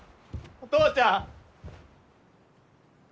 お父ちゃん！